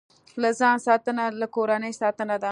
له ځان ساتنه، له کورنۍ ساتنه ده.